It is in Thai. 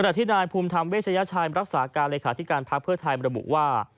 ขณะที่นายภูมิธรรมเวชยชายรักษาการเลยคาที่การภักดิ์เพื่อไทยบรรบุว่า